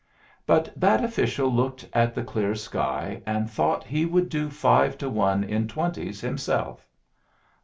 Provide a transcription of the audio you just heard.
But that official looked at the clear sky, and thought he would do five to one in twenties himself.